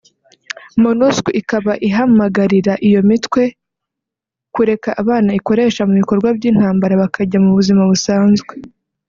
Monusco ikaba ihamagarira iyo mitwe kureka abana ikoresha mu bikorwa by’intambara bakajya mu buzima busanzwe